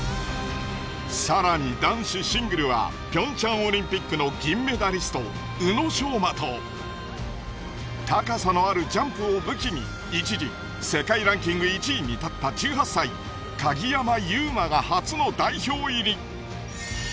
更に男子シングルはピョンチャンオリンピックの銀メダリスト宇野昌磨と高さのあるジャンプを武器に一時世界ランキング１位に立った１８歳鍵山優真が初の代表入り。